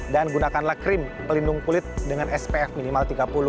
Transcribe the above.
dan gunakan krim pelindung kulit dengan spf minimal tiga puluh